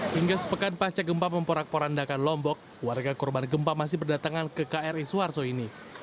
hingga sepekan pasca gempa memporak porandakan lombok warga korban gempa masih berdatangan ke kri suharto ini